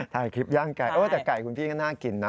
ถ่ายคลิปย่างไก่แต่ไก่คุณพี่ก็น่ากินนะ